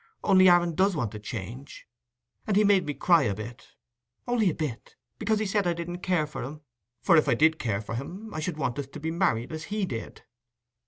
Only Aaron does want a change; and he made me cry a bit—only a bit—because he said I didn't care for him, for if I cared for him I should want us to be married, as he did."